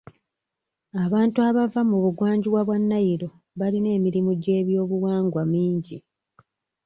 Abantu abava mu buggwanjuba bwa Nile balina emirimu gy'ebyobuwangwa mingi.